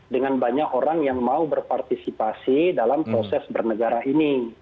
dengan banyak orang yang mau berpartisipasi dalam proses bernegara ini